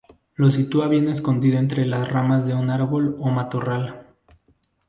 Lo sitúa bien escondido entre las ramas de un árbol o matorral.